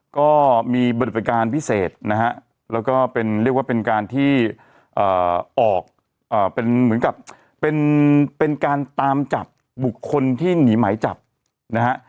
ก็มีปฏิบัติการพิเศษนะฮะแล้วก็เป็นเรียกว่าเป็นการที่ออกเป็นเหมือนกับเป็นการตามจับบุคคลที่หนีหมายจับนะฮะ